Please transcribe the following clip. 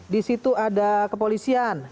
di situ ada kepolisian